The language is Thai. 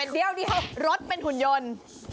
เดี๋ยวรถเป็นหุ่นยนต์